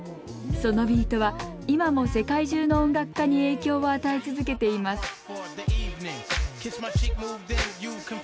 そのビートは今も世界中の音楽家に影響を与え続けています